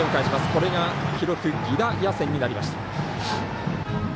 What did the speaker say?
これが記録犠打野選になりました。